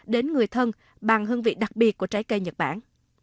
đến người thân bằng hương vị đặc biệt của trái cây nhật bản